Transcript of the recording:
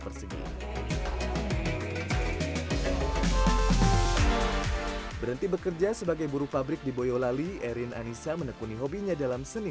persegi berhenti bekerja sebagai buru pabrik di boyolali erin anissa menekuni hobinya dalam seni